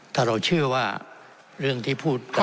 ถ้าเราเชื่อว่าเรื่องที่พูดกัน